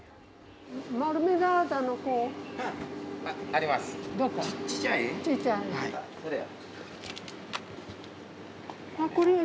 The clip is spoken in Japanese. あっこれだ。